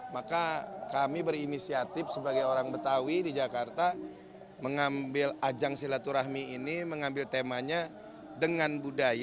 maka kami berinisiatif sebagai orang betawi di jakarta mengambil ajang silaturahmi ini mengambil temanya dengan budaya